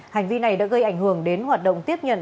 hành vi này đã gây ảnh hưởng đến hoạt động tiếp nhận